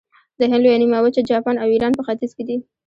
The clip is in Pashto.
د هند لویه نیمه وچه، جاپان او ایران په ختیځ کې دي.